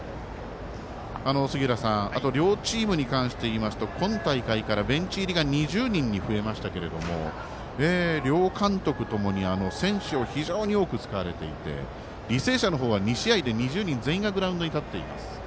両チームに関していいますと今大会からベンチ入りが２０人に増えましたけれども両監督ともに選手を非常に多く使われていて履正社の方は２試合で２０人全員がグラウンドに立っています。